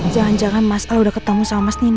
jangan jangan mas al udah ketemu sama mas nino